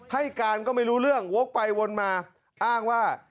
ให้การก็ไม่รู้เรื่องวกไปวนมาอ้างว่า